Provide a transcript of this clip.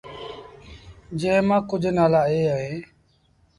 جݩهݩ مآݩ ڪجھ نآلآ اي اهيݩ